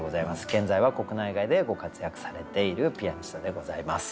現在は国内外でご活躍されているピアニストでございます。